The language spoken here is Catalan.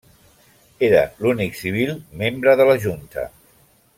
Era l'únic civil membre de la junta.